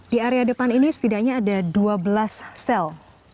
di area depan ini setidaknya ada dua belas sel